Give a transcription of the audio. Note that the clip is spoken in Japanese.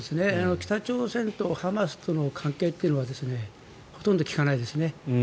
北朝鮮とハマスとの関係というのはほとんど聞かないですね。